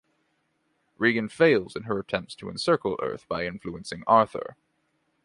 Rigan fails in her attempts to encircle Earth by influencing Arthur.